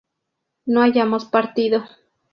no hayamos partido